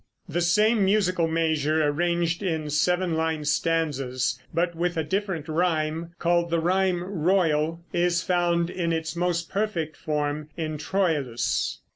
The same musical measure, arranged in seven line stanzas, but with a different rime, called the Rime Royal, is found in its most perfect form in Troilus.